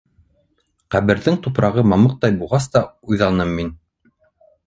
Ҡәберҙең тупрағы мамыҡтай буғас та уйҙаным мин.